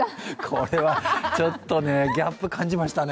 これはちょっとね、ギャップ感じましたね。